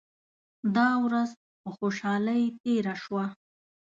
دا ورځ په خوشالۍ تیره شوه.